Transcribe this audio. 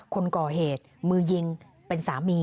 คนก่อเหตุมือยิงเป็นสามี